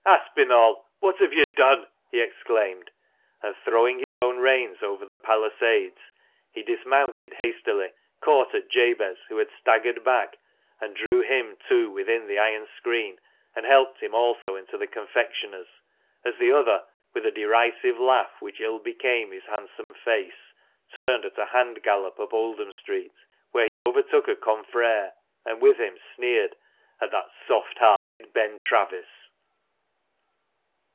Aspinall, what have you done?" he exclaimed, and throwing his own reins over the palisades, he dismounted hastily, caught at Jabez, who had staggered back, and drew him too within the iron screen, and helped him also into the confectioner's, as the other, with a derisive laugh which ill became his handsome face, turned at a hand gallop up Oldham Street, where he over took a confrere, and with him sneered at "that soft hearted Ben Travis."